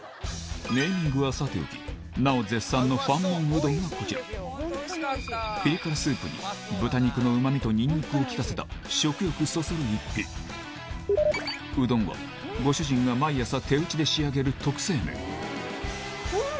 ネーミングはさておきナヲ絶賛のファンモンうどんがこちらピリ辛スープに豚肉のうま味とニンニクを利かせた食欲そそる逸品うどんはご主人がうん！